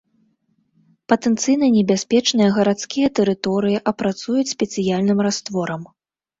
Патэнцыйна небяспечныя гарадскія тэрыторыі апрацуюць спецыяльным растворам.